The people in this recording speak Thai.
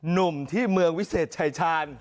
หนุ่มที่เมืองวิเศษชายชาญ